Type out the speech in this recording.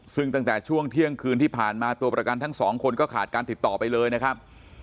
ซึ่งตั้งแต่ช่วงเที่ยงคืนที่ผ่านมาตัวประกันทั้งสองคนก็ขาดการติดต่อไปเลยนะครับ